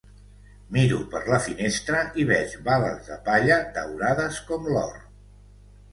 Miro per la finestres i veig bales de palla daurades com l'or